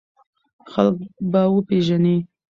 خلک به وپېژنې!